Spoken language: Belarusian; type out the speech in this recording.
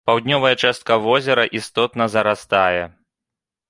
Паўднёвая частка возера істотна зарастае.